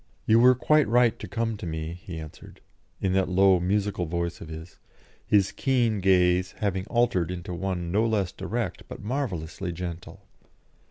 "You were quite right to come to me," he answered, in that low, musical voice of his, his keen gaze having altered into one no less direct, but marvellously gentle.